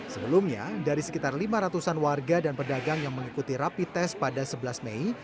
sebelumnya dari sekitar lima ratus an warga dan pedagang yang mengikuti rapi tes pada sebelas mei